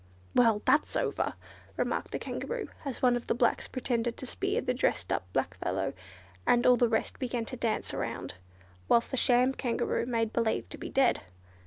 "Well, that's over!" remarked the Kangaroo, as one of the blacks pretended to spear the dressed up black fellow, and all the rest began to dance around, whilst the sham Kangaroo made believe to be dead.